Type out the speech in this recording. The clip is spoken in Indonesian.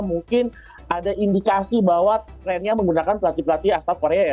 mungkin ada indikasi bahwa trennya menggunakan pelatih pelatih asal korea ya